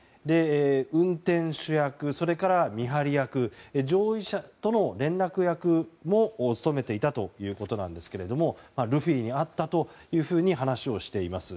運転手役、それから見張り役上位者との連絡役も務めていたということですがルフィに会ったというふうに話をしています。